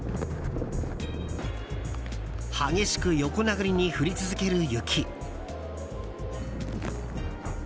激しく横殴りに降り続ける雪。